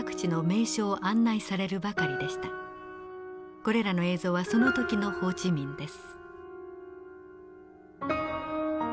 これらの映像はその時のホー・チ・ミンです。